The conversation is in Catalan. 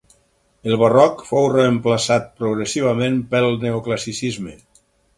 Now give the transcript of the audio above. El Barroc fou reemplaçat progressivament pel Neoclassicisme.